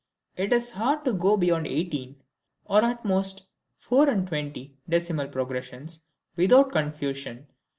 it is hard to go beyond eighteen, or at most, four and twenty, decimal progressions, without confusion.